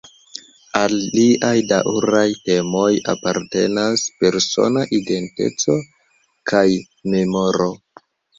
Al liaj daŭraj temoj apartenas persona identeco kaj memoro.